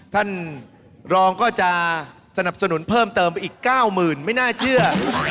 ท่านรองก็จะสนับสนุนเพิ่มเติมไปอีก๙๐๐ไม่น่าเชื่อ